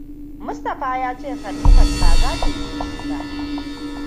Mustapha ya ce Khalifat ba zai yi fushi ba.